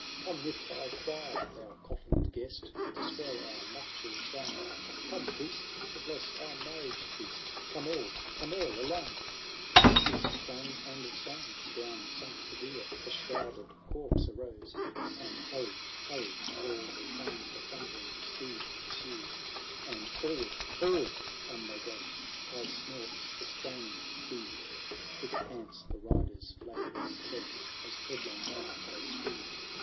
" Come with thy choir, thou coffined guest To swell our nuptial song ! Come, priest, to bless our marriage feast ! Come all, come all along !" XLIII Ceased clang and song ; down sunk the bier ; The shrouded corpse arose : And, hurry, hurry ! all the train The thundering steed pursues. XLIV And, forward ! forward ! on they go ; High snorts the straining steed ; Thick pants the rider's labouring breath, As headlong on they speed.